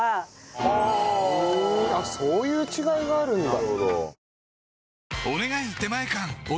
へえそういう違いがあるんだ。